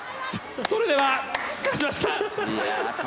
それでは勝ちました。